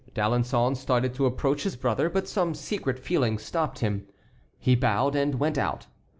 D'Alençon started to approach his brother, but some secret feeling stopped him. He bowed and went out.